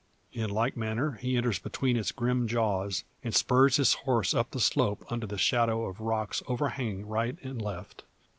In like manner he enters between its grim jaws, and spurs his horse up the slope under the shadow of rocks overhanging right and left.